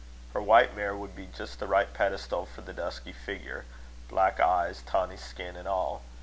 Her white mare would be just the right pedestal for the dusky figure black eyes, tawny skin, and all.